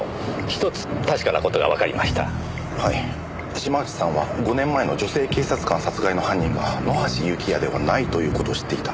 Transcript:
島内さんは５年前の女性警察官殺害の犯人が野橋幸也ではないという事を知っていた。